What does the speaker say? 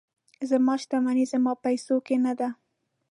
زما شتمني زما په پیسو کې نه ده.